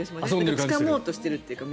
つかもうとしているというか。